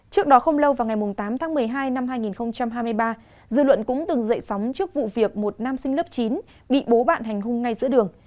trước đó không lâu vào ngày tám tháng một mươi hai năm hai nghìn hai mươi ba dư luận cũng từng dậy sóng trước vụ việc một nam sinh lớp chín bị bố bạn hành hung ngay giữa đường